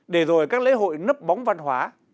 để rồi các lễ hội nấp bóng văn hóa